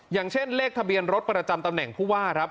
อย่างเช่นเลขทะเบียนรถประจำตำแหน่งผู้ว่าครับ